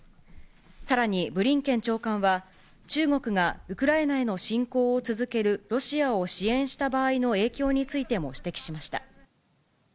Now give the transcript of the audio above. さらにブリンケン長官は、中国がウクライナへの侵攻を続けるロシアを支援した場合の影響についても指摘しました。